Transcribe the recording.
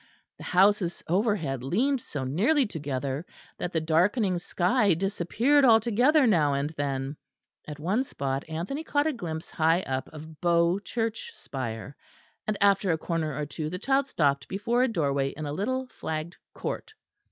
The houses overhead leaned so nearly together that the darkening sky disappeared altogether now and then; at one spot Anthony caught a glimpse high up of Bow Church spire; and after a corner or two the child stopped before a doorway in a little flagged court.